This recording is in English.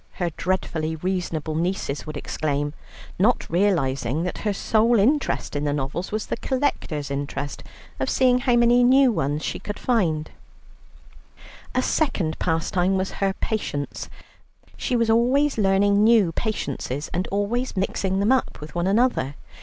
her dreadfully reasonable nieces would exclaim, not realizing that her sole interest in the novels was the collector's interest of seeing how many new ones she could find. A second pastime was her patience, that bond which knits together our occidental civilization. She was always learning new patiences, and always mixing them up with one another.